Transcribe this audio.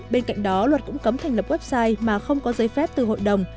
bên cạnh đó luật cũng cấm thành lập website mà không có giấy phép từ hội đồng